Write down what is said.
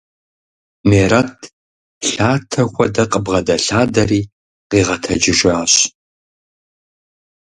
Мерэт, лъэта хуэдэ къыбгъэдэлъадэри къигъэтэджыжащ.